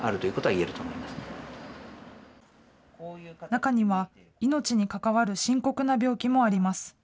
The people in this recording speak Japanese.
中には、命にかかわる深刻な病気もあります。